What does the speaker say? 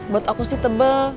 buat aku sih tebel